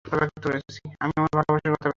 আমি আমার ভালোবাসার কথা ব্যক্ত করছি।